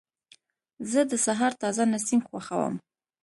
زه د سهار تازه نسیم خوښوم.